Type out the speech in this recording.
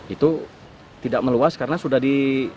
itu tidak meluas karena sudah di